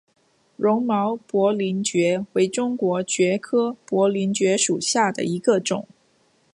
绒毛薄鳞蕨为中国蕨科薄鳞蕨属下的一个种。